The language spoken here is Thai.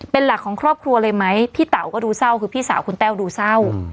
เป็นหลักของครอบครัวเลยไหมพี่เต๋าก็ดูเศร้าคือพี่สาวคุณแต้วดูเศร้า